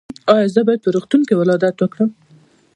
ایا زه باید په روغتون کې ولادت وکړم؟